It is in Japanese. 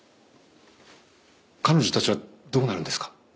彼女たちはどうなるんですか？